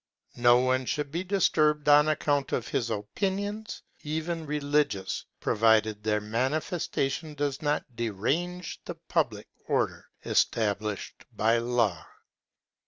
No one should be disturbed on account of his opin ions, even religious, provided their manifestation does not de range the public order established by law.